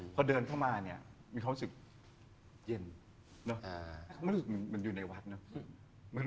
พอเดินเข้ามาเนี่ยมีความรู้สึกเย็น